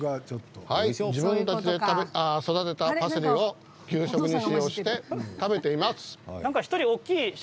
自分たちで育てたパセリを給食で食べています。